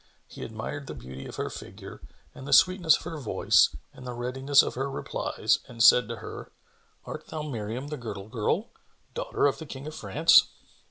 He admired the beauty of her figure and the sweetness of her voice and the readiness of her replies and said to her, "Art thou Miriam the Girdle girl, daughter of the King of France?"